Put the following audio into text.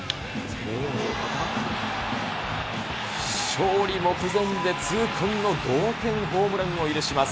勝利目前で痛恨の同点ホームランを許します。